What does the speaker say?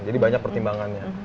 jadi banyak pertimbangannya